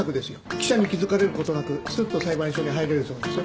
記者に気付かれることなくすっと裁判所に入れるそうですよ。